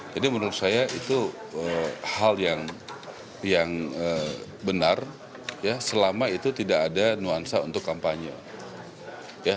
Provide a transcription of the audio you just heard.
jadi menurut saya itu hal yang benar selama itu tidak ada nuansa untuk kampanye